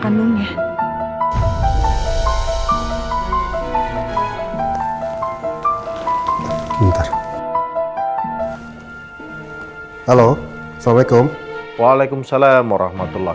kandungnya bentar halo assalamualaikum waalaikumsalam